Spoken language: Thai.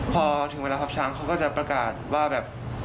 พอถึงเวลาทับช้างเขาก็จะประกาศว่าแบบ